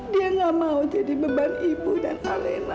dia gak mau jadi beban ibu dan salena